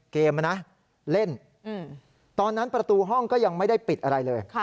เล่นตอนนั้นประตูห้องก็ยังไม่ได้ปิดอะไรเลย